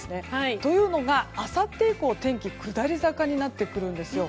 というのが、あさって以降天気が下り坂になってくるんですよ。